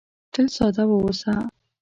تل ساده واوسه .